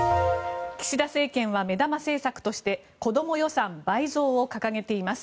岸田政権は目玉政策として子ども予算倍増を掲げています。